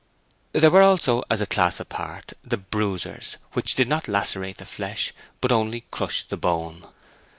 There were also, as a class apart, the bruisers, which did not lacerate the flesh, but only crushed the bone.